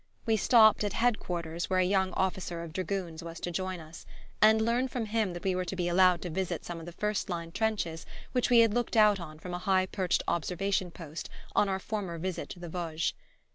We stopped at a Head quarters where a young officer of dragoons was to join us, and learned from him that we were to be allowed to visit some of the first line trenches which we had looked out on from a high perched observation post on our former visit to the Vosges.